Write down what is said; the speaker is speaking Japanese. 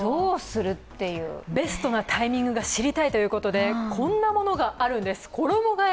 ベストなタイミングが知りたいということでこんなものがあるんです衣替え